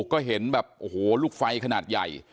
ก็เห็นแบบโอ้โหลูกไฟขนาดใหญ่